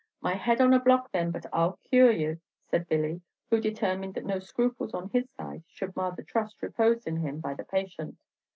"My head on a block, then, but I'll cure you," said Billy, who determined that no scruples on his side should mar the trust reposed in him by the patient.